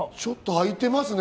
あいてますね。